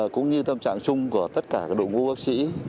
cũng như tâm trạng chung của tất cả đội ngũ bác sĩ